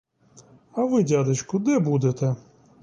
А ви, дядечку, де будете?